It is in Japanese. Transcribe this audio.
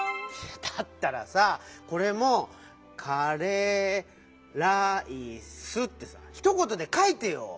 だったらさこれも「カレーライス」ってさひとことでかいてよ！